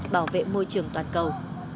bảo vệ môi trường toàn cầu